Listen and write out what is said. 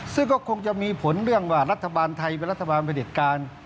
ซึ่งก็คงจะมีผลเรื่องว่ารัฐบาลไทยเป็นรัฐบาลประเด็จการ